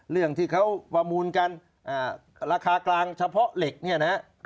เรื่องที่เขาประมูลกันราคากลางเฉพาะเหล็กเนี่ยนะฮะ